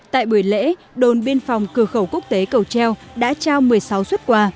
tại buổi lễ đồn biên phòng cửa khẩu quốc tế cầu treo đã trao một mươi sáu xuất quà